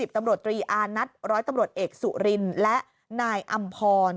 ตำรวจตรีอานัทร้อยตำรวจเอกสุรินและนายอำพร